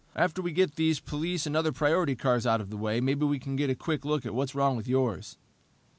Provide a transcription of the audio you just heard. After we get these police and other priority cars out of the way, maybe we can get a quick look at what's wrong with yours."